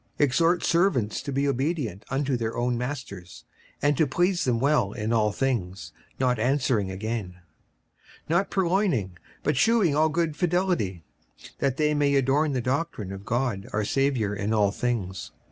56:002:009 Exhort servants to be obedient unto their own masters, and to please them well in all things; not answering again; 56:002:010 Not purloining, but shewing all good fidelity; that they may adorn the doctrine of God our Saviour in all things.